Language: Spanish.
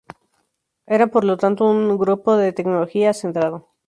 Eran por lo tanto una "Grupo de tecnología" centrado.